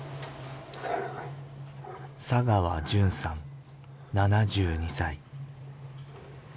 佐川純さん７２歳。